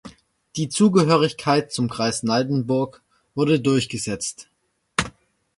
Die Zugehörigkeit zum Kreis Neidenburg wurde durchgesetzt.